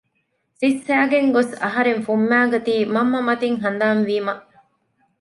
ސިއްސައިގެން ގޮސް އަހަރެން ފުއްމައިގަތީ މަންމަ މަތިން ހަނދާން ވީމަ